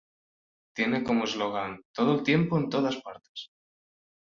Tiene como eslogan "Todo el tiempo en todas partes".